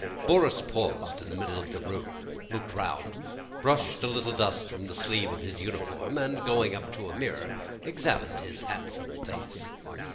Borís paused in the middle of the room, looked round, brushed a little dust from the sleeve of his uniform, and going up to a mirror examined his handsome face.